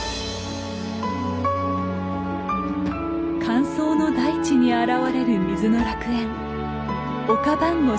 乾燥の大地に現れる水の楽園オカバンゴ